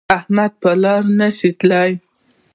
احمد په لاره نشي تللی.